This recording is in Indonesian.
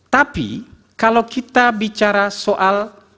tapi kalau kita bicara soal